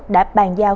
đã bàn giao